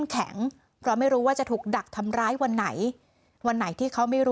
ตัวเองดี